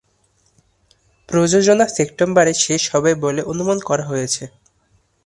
প্রযোজনা সেপ্টেম্বর-এ শেষ হবে বলে অনুমান করা হয়েছে।